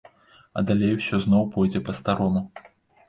А далей усё зноў пойдзе па-старому.